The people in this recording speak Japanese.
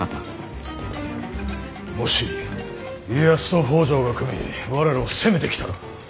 もし家康と北条が組み我らを攻めてきたら。